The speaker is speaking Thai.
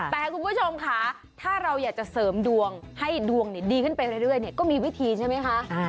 แต่คุณผู้ชมค่ะถ้าเราอยากจะเสริมดวงให้ดวงดีขึ้นไปเรื่อยก็มีวิธีใช่ไหมคะ